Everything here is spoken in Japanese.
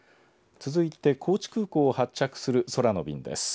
続いて高知空港を発着する空の便です。